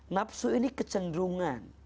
nafsu ini kecenderungan